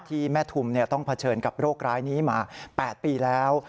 ที่แม่ทุมต้องเผชิญกับโรคร้ายนี้มา๘ปีแล้ว